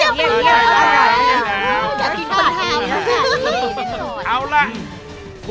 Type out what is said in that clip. อร่อยใช่ไหม